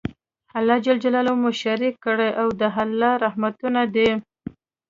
الله ج مو شريک کړی او د الله رحمتونه دي